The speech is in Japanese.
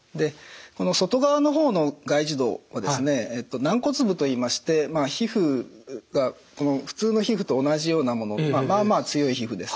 外側の方の外耳道は軟骨部といいまして普通の皮膚と同じようなものまあまあ強い皮膚です。